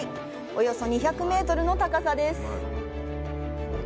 およそ２００メートルの高さです。